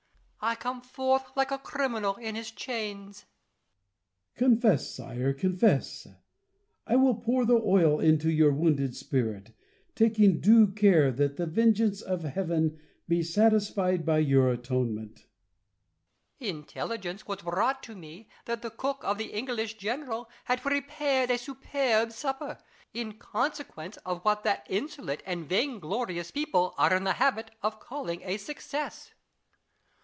I come forth like a criminal in his chains. La Chaise. Confess, sire, confess ! I will pour the oil into your wounded spirit, taking due care that the vengeance of Heaven be satisfied by your atonement. Louis. Intelligence was brought to me that the cook of tlie English general had prepared a superb dinner, in conse quence of what that insolent and vainglorious people are in 32 IMA GIN A R Y CON VERS A TIONS. the habit of calling a success.